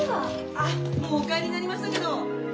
あっもうお帰りになりましたけど。